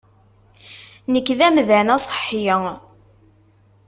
Nekk d amdan aṣeḥḥi.